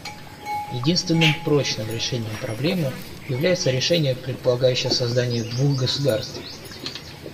Единственным прочным решением проблемы является решение, предполагающее создание двух государств.